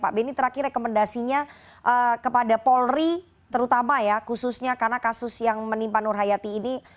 pak beni terakhir rekomendasinya kepada polri terutama ya khususnya karena kasus yang menimpa nur hayati ini